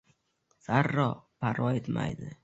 Zarra parvo etmaydi.